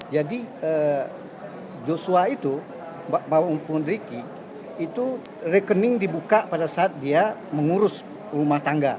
jadi joshua itu maupun ricky itu rekening dibuka pada saat dia mengurus rumah tangga